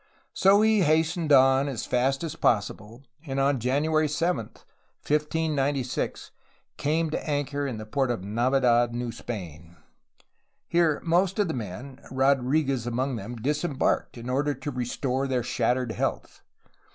So he hastened on as fast as possible, and on January 7, 1596, came to anchor in the port of Navidad, New Spain. Here most of the men, Rodriguez among them, disembarked in order to restore their shattered health.